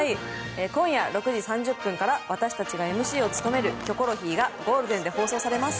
今夜６時３０分から私たちがＭＣを務める「キョコロヒー」がゴールデンで放送されます。